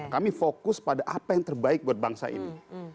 kami fokus pada apa yang terbaik buat bangsa ini